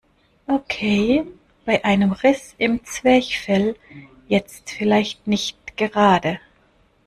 Okay, bei einem Riss im Zwerchfell jetzt vielleicht nicht gerade.